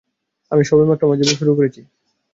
আমি সবেমাত্র আমার জীবন শুরু করেছি।